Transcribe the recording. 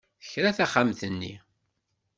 Tekra taxxamt-nni.